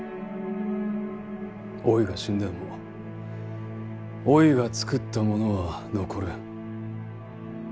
おいが死んでもおいが作ったものは残る。